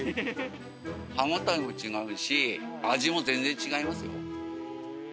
歯応えも違うし味も全然違いますよ。